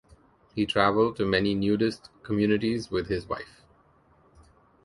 He travelled to many nudist communities with his wife.